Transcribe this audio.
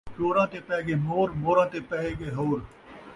چوراں تے پئے ڳئے مور ، موراں تے پئے ڳئے ہور